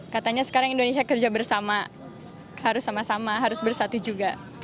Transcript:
katanya sekarang indonesia kerja bersama harus sama sama harus bersatu juga